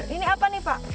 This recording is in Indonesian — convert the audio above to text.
ini apa nih pak